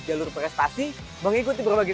jalur prestasi mengikuti berbagai